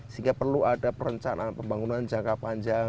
sehingga perlu ada perencanaan pembangunan jangka panjang